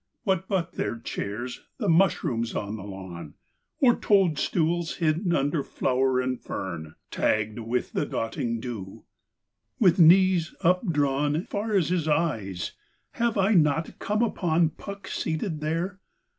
What but their chairs the mushrooms on the lawn, Or toadstools hidden under flower and fern, Tagged with the dotting dew! With knees updrawn Far as his eyes, have I not come upon Puck seated there?